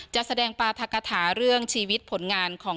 จะแสดงปราธกฐาเรื่องชีวิตผลงานของ